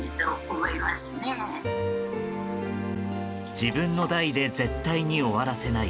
自分の代で絶対に終わらせない。